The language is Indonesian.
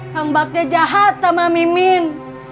kang bacca jahat sama mimin